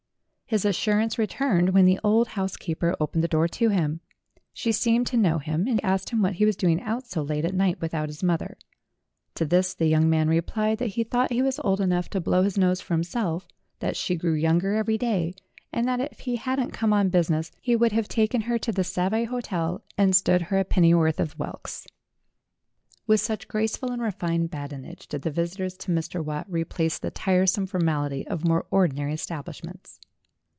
His assurance returned when the old house keeper opened the door to him. She seemed to know him, and asked him what he was doing out so late at night without his mother. To this the young man re plied that he thought he was old enough to blow his nose for himself, that she grew younger every day, and that if he hadn't come on business he would have A DEVIL, A BOY, A DESIGNER 153 taken her to the Savoy Hotel and stood her a penny worth of whelks. With such graceful and refined badinage did the visitors to Mr. Watt replace the tiresome formality of more ordinary establishments.